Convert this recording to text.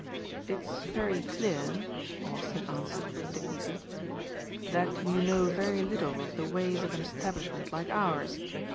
"It's very clear," Austin answered with dignity, "that you know very little of the ways of an establishment like ours.